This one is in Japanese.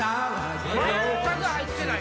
全く入ってない。